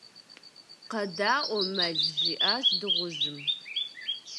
- КъэдаӀуэ, мэл, - жиӀащ дыгъужьым.